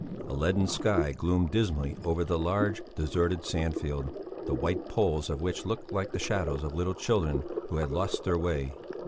A leaden sky gloomed dismally over the large, deserted sandfield, the white poles of which looked like the shadows of little children who had lost their way.